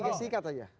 bang pegah singkat saja